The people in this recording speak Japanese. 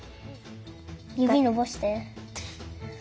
ゆびのばして。